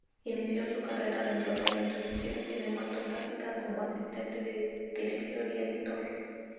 Inició su carrera dentro de la industria cinematográfica como asistente de dirección y editor.